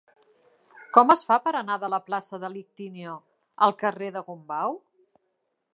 Com es fa per anar de la plaça de l'Ictíneo al carrer de Gombau?